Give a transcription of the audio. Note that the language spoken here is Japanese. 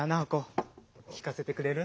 きかせてくれる？